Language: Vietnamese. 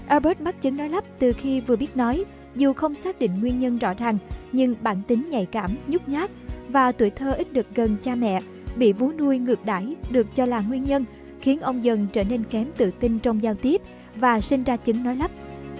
abe mắt chứng nói lắp từ khi vừa biết nói dù không xác định nguyên nhân rõ ràng nhưng bản tính nhạy cảm nhút nhát và tuổi thơ ít được gần cha mẹ bị vú nuôi ngược đải được cho là nguyên nhân khiến ông dần trở nên kém tự tin trong giao tiếp và sinh ra chứng nói lắp